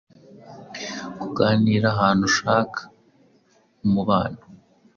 Kuganira ahantu ushaka umubano